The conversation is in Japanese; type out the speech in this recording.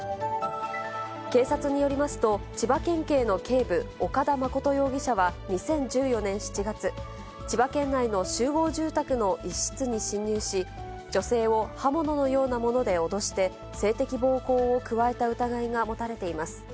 警察によりますと、千葉県警の警部、岡田誠容疑者は、２０１４年７月、千葉県内の集合住宅の一室に侵入し、女性を刃物のようなもので脅して、性的暴行を加えた疑いが持たれています。